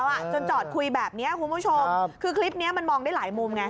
อ่ะจนจอดคุยแบบเนี้ยคุณผู้ชมคือคลิปเนี้ยมันมองได้หลายมุมไง